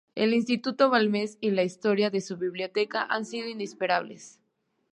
El Instituto Balmes y la historia de su biblioteca han sido inseparables.